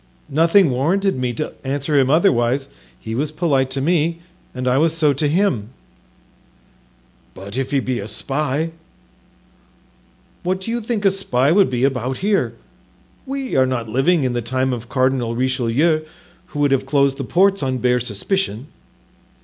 "Nothing warranted me to answer him otherwise; he was polite to me and I was so to him." "But if he be a spy——" "What do you think a spy would be about here? We are not living in the time of Cardinal Richelieu, who would have closed the ports on bare suspicion."